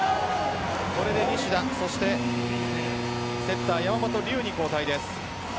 これで西田とセッターの山本龍に交代です。